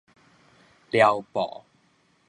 撩布